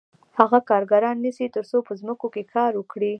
هغه کارګران نیسي تر څو په ځمکو کې کار وکړي